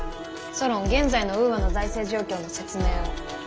ソロン現在のウーアの財政状況の説明を。